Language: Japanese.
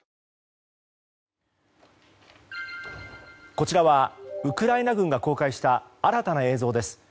こちらはウクライナ軍が公開した新たな映像です。